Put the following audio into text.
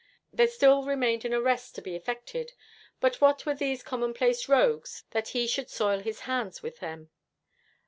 There still remained an arrest to be effected, but what were these commonplace rogues that he should soil his hands with them?